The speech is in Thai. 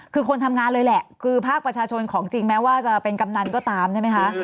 คือคนทำงานเลยแหละคือภาคประชาชนของจริงแม้ว่าจะเป็นกำนันก็ตามใช่ไหมคะ